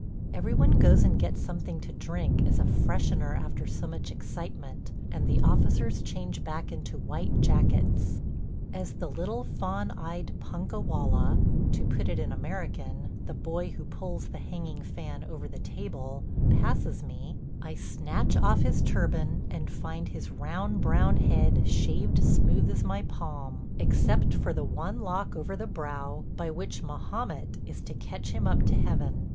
Every one goes and gets something to drink as a freshener after so much excitement and the officers change back into white jackets. As the little fawn eyed punkah wallah (to put it in American, the boy who pulls the hanging fan over the table) passes me, I snatch off his turban and find his round brown head shaved smooth as my palm, except for the one lock over the brow by which Mahomet is to catch him up to heaven.